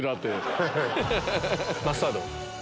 マスタード。